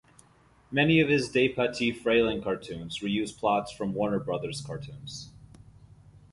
Many of his DePatie-Freleng cartoons re-use plots from Warner Brothers cartoons.